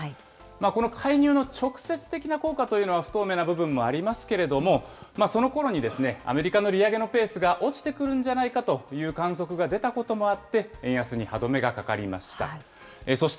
この介入の直接的な効果というのは不透明な部分もありますけれども、そのころにアメリカの利上げのペースが落ちてくるんじゃないかという観測が出たこともあって、円安に歯止めがかかりました。